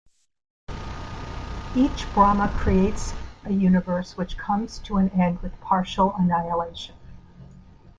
Each Brahma creates a universe which comes to an end with partial annihilation.